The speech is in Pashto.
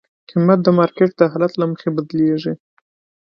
قیمت د مارکیټ د حالت له مخې بدلېږي.